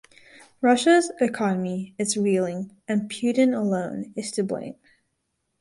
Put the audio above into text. Russia’s economy is reeling and Putin alone is to blame.